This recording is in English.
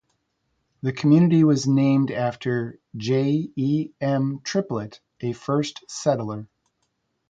The community was named after J. E. M. Triplett, a first settler.